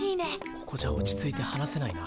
ここじゃ落ち着いて話せないな。